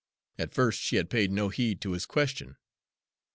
At first she had paid no heed to his question.